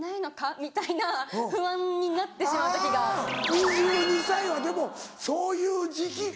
２２歳はでもそういう時期かも。